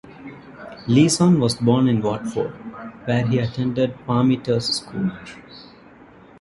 Leeson was born in Watford, where he attended Parmiter's School.